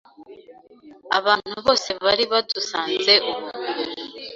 Abantu bose bari badusanze ubu